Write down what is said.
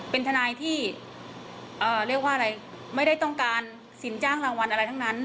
เป็นทนายที่เรียกว่าอะไรไม่ได้ต้องการสินจ้างรางวัลอะไรทั้งนั้น